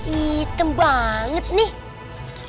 ih tembanget nih